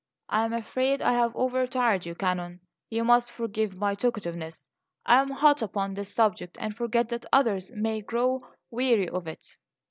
"I am afraid I have overtired you, Canon. You must forgive my talkativeness; I am hot upon this subject and forget that others may grow weary of it."